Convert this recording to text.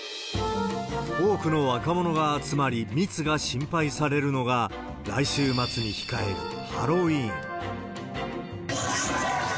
多くの若者が集まり密が心配されるのが、来週末に控えるハロウィーン。